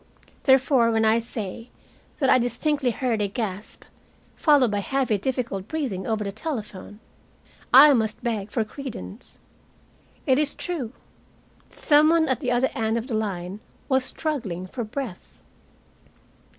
Therefore when I say that I distinctly heard a gasp, followed by heavy difficult breathing, over the telephone, I must beg for credence. It is true. Some one at the other end of the line was struggling for breath.